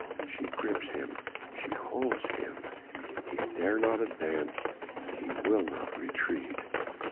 She grips him, she holds him, he dare not advance, he will not retreat.